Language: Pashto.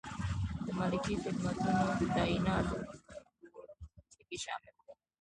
د ملکي خدمتونو د تعیناتو بورد پکې شامل دی.